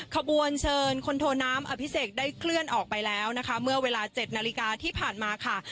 ขบวนเชิญคนโทน้ำอภิเษกได้เคลื่อนออกไปแล้วนะคะเมื่อเวลา๗นาฬิกาที่ผ่านมาค่ะ